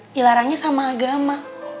dilarangnya sama agama